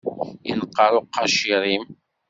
Inqer uqacir-im.